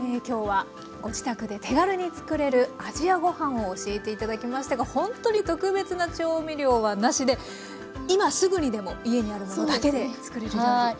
今日はご自宅で手軽に作れるアジアごはんを教えて頂きましたがほんっとに特別な調味料はなしで今すぐにでも家にあるものだけで作れる料理。